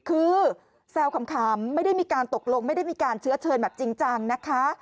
คือแซวขำไม่ได้มีการตกลงไม่ได้มีการเชื้อเชิญแบบจริงจังนะคะ